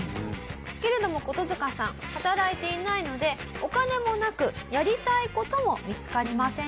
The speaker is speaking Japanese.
けれどもコトヅカさん働いていないのでお金もなくやりたい事も見つかりませんでした。